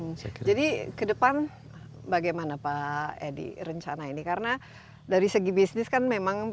alokasi csr yang ada jadi kedepan bagaimana pak edi rencana ini karena dari segi bisnis kan memang